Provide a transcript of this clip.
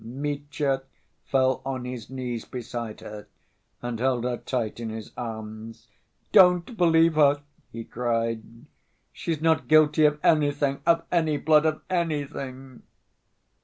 Mitya fell on his knees beside her and held her tight in his arms. "Don't believe her," he cried, "she's not guilty of anything, of any blood, of anything!"